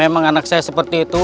emang anak saya seperti itu